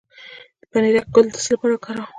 د پنیرک ګل د څه لپاره وکاروم؟